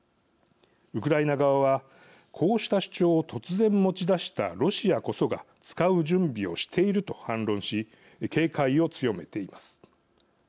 ウクライナ側は「こうした主張を突然持ち出したロシアこそが使う準備をしている」と反論し警戒を強めています。